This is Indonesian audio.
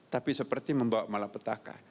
tapi seperti membawa malapetaka